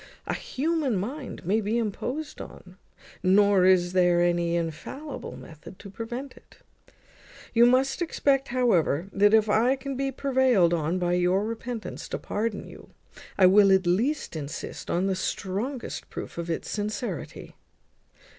A human mind may be imposed on; nor is there any infallible method to prevent it. You must expect, however, that if I can be prevailed on by your repentance to pardon you, I will at least insist on the strongest proof of its sincerity."